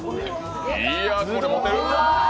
いやこれ、持てる？